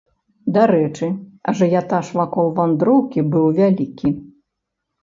Дарэчы ажыятаж вакол вандроўкі быў вялікі.